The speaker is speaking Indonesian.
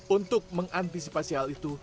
untuk mengantisipasi hal itu